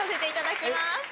いただきます。